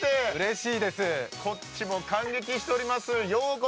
こっちも感激しています。